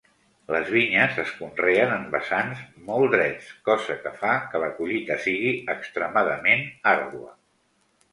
Les vinyes es conreen en vessants molt drets, cosa que fa que la collita sigui extremadament àrdua.